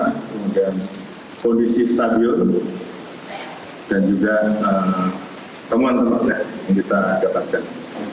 kemudian kondisi stadion dan juga temuan temuan yang kita dapatkan